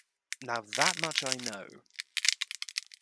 Now that much I know.